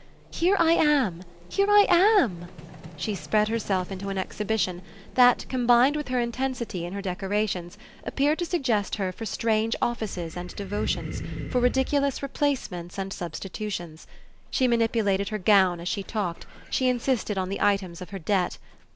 Here I am, here I am!" she spread herself into an exhibition that, combined with her intensity and her decorations, appeared to suggest her for strange offices and devotions, for ridiculous replacements and substitutions. She manipulated her gown as she talked, she insisted on the items of her debt.